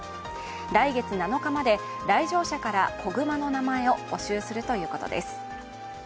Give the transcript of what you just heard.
来月７日まで来場者から子熊の名前を募集するということです。